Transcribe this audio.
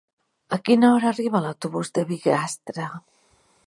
A quina hora arriba l'autobús de Bigastre?